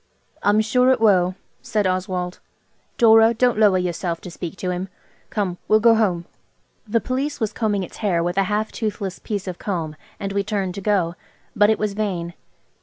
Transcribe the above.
"I'm sure it will," said Oswald. "Dora, don't lower yourself to speak to him. Come, we'll go home." The Police was combing its hair with a half toothless piece of comb, and we turned to go. But it was vain.